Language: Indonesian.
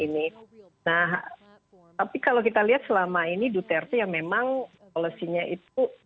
nah tapi kalau kita lihat selama ini duterte yang memang policy nya itu